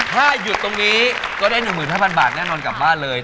ถ้าหยุดตรงนี้ก็ได้๑๕๐๐บาทแน่นอนกลับบ้านเลย